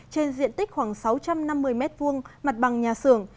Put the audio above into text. trên diện tích khoảng sáu trăm năm mươi m hai mặt bằng nhà xưởng